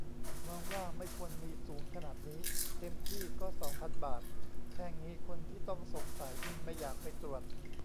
มองว่าไม่ควรมี สูงขนาดนี้ เต็มที่ก็สองพันบาท แพงงี้คนที่ต้องสงสัยยิ่งไม่อยากไปตรวจ